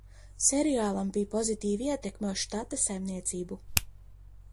Seriālam bija pozitīva ietekme uz štata saimniecību.